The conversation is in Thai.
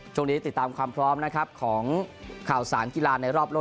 ติดตามความพร้อมนะครับของข่าวสารกีฬาในรอบโลก